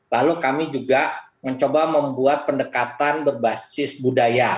lalu kami juga mencoba membuat pendekatan berbasis budaya